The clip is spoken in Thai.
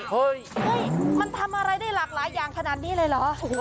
เฮ้ยมันทำอะไรได้หลากหลายอย่างขนาดนี้เลยเหรอ